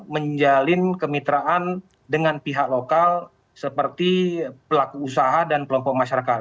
menjalin kemitraan dengan pihak lokal seperti pelaku usaha dan kelompok masyarakat